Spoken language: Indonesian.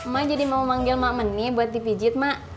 mak jadi mau manggil mak meni buat dipijit mak